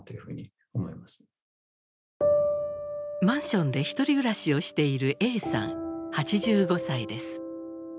マンションで一人暮らしをしているＡさん８５歳です。